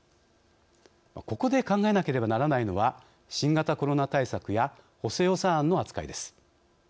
ここで考えなければならないのは新型コロナ対策や補正予算案の扱いです。